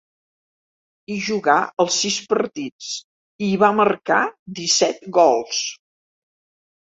Hi jugà els sis partits, i hi va marcar disset gols.